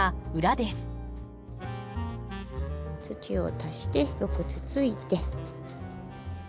土を足してよくつついて。